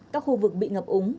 các khu vực bị ngập úng